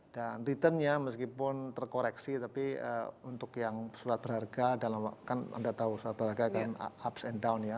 dan returnnya meskipun terkoreksi tapi untuk yang surat berharga kan anda tahu surat berharga kan ups and downs ya